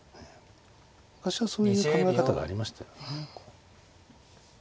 昔はそういう考え方がありましたよね。